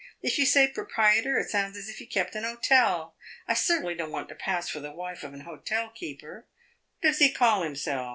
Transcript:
If you say 'proprietor,' it sounds as if he kept an hotel. I certainly don't want to pass for the wife of an hotel keeper. What does he call himself?